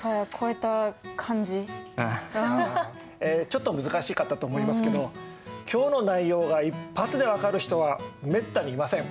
ちょっと難しかったと思いますけど今日の内容が一発で分かる人はめったにいません。